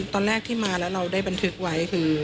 ตอนแรกที่มาแล้วเราได้บันทึกไว้คือ